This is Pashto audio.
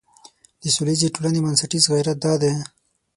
د سولیزې ټولنې بنسټیز غیرت دا دی.